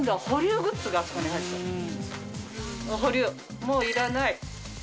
保留もういらない。